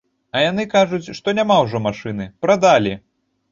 А яны кажуць, што няма ўжо машыны, прадалі.